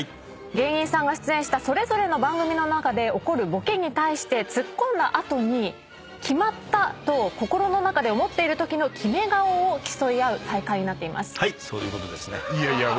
芸人さんが出演したそれぞれの番組の中で起こるボケに対してツッコんだ後に決まった！と心の中で思っているときのキメ顔を競い合う大会になっています。